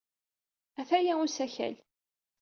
Ataya usakal.